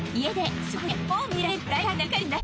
すごい！